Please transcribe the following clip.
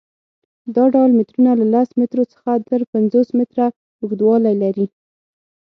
دا ډول مترونه له لس مترو څخه تر پنځوس متره اوږدوالی لري.